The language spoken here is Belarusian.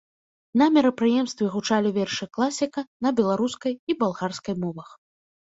На мерапрыемстве гучалі вершы класіка на беларускай і балгарскай мовах.